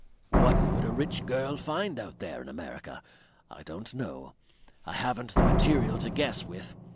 "What would a rich girl find out there in America? I don't know. I haven't the material to guess with.